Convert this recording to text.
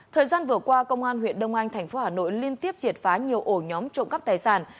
thời gian vừa qua công an huyện đông anh thành phố hà nội liên tiếp triệt phá nhiều ổ nhóm trộm cắp tài sản